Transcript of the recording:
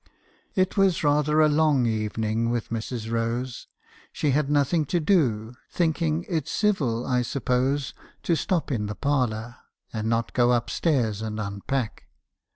"It was rather a long evening with Mrs. Rose. She had nothing to do, thinking it civil, I suppose, to stop in the parlour, and not go up stairs and unpack.